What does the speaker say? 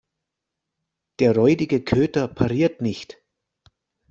Der räudige Köter pariert nicht.